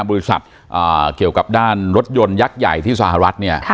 บริษัทเกี่ยวกับด้านรถยนต์ยักษ์ใหญ่ที่สหรัฐเนี่ย